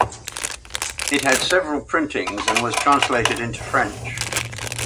It had several printings and was translated into French.